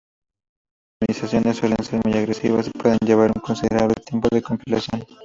Estas optimizaciones suelen ser muy agresivas y pueden llevar un considerable tiempo de compilación.